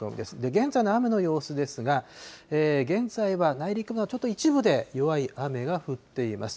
現在の雨の様子ですが、現在は内陸部は、ちょっと一部で弱い雨が降っています。